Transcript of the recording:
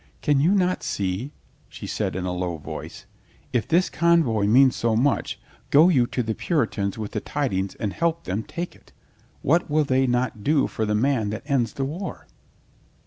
"Can you not see?" she said in a low voice. "If this convoy means so much, go you to the Puri tans with the tidings and help them take it. What will they not do for the man that ends the war